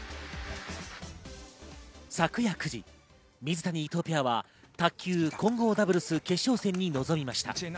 昨夜９時、水谷・伊藤ペアは卓球・混合ダブルス決勝戦に臨みました。